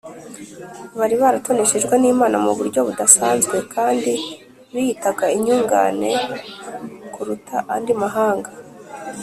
bari baratoneshejwe n’imana mu buryo budasanzwe, kandi biyitaga inyungane kuruta andi mahanga